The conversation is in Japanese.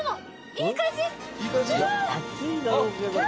いい感じ？